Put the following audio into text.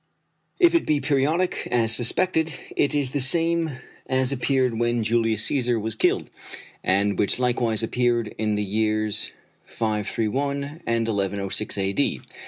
If it be periodic, as suspected, it is the same as appeared when Julius Cæsar was killed, and which likewise appeared in the years 531 and 1106 A.D.